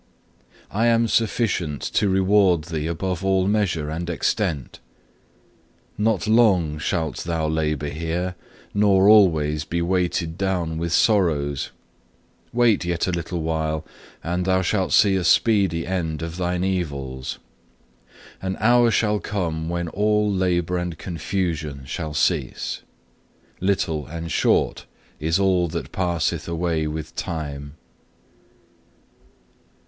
I am sufficient to reward thee above all measure and extent. Not long shalt thou labour here, nor always be weighed down with sorrows. Wait yet a little while, and thou shalt see a speedy end of thine evils. An hour shall come when all labour and confusion shall cease. Little and short is all that passeth away with time.